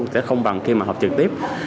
sẽ không bằng khi mà học trực tiếp